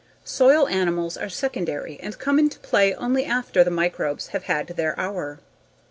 Soil animals are secondary and come into play only after the microbes have had their hour.